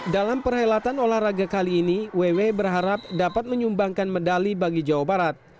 dalam perhelatan olahraga kali ini ww berharap dapat menyumbangkan medali bagi jawa barat